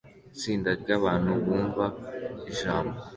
Itsinda ryabantu bumva ijambo